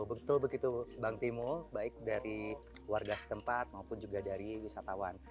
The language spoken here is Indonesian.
betul begitu bang timu baik dari warga setempat maupun juga dari wisatawan